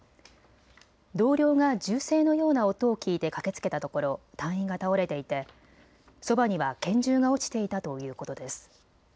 同僚が銃声のような音を聞いて駆けつけたところ隊員が倒れていてそばには拳銃が落ちていたということです。